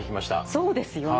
そうですよね。